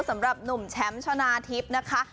สำหรับหนุ่มแชมป์ชนะทิพย์นะคะ